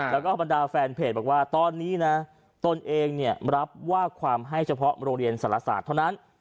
แล้วก็บรรดาแฟนเพจบอกว่าตอนนี้นะตนเองเนี่ยรับว่าความให้เฉพาะโรงเรียนสารศาสตร์เท่านั้น